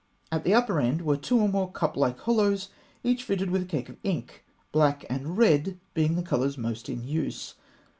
At the upper end were two or more cup like hollows, each fitted with a cake of ink; black and red being the colours most in use.